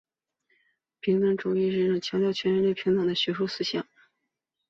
平等主义是一种强调全人类平等的学术思想。